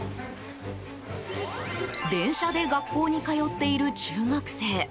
電車で学校に通っている中学生。